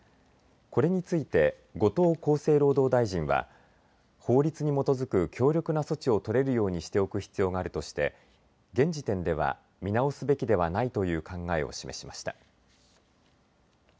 これについて後藤厚生労働大臣は法律に基づく強力な措置を取れるようにしておく必要があるとして現時点では見直すべきではないという考えを示しました。